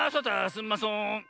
すんまそん。